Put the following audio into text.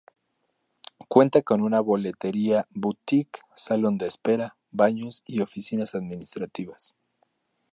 Cuenta con una boletería, boutique, salón de espera, baños, y oficinas administrativas.